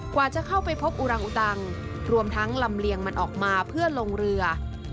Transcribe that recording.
กว่าจะเข้าไปพบอุรังอุตังรวมทั้งลำเลียงมันออกมาเพื่อลงเรือ